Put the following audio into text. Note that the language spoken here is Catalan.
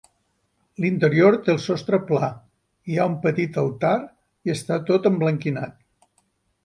L'interior té el sostre pla, hi ha un petit altar i està tot emblanquinat.